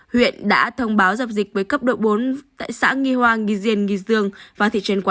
huyện đã thông báo dập dịch với cấp độ bốn tại xã nghi hoa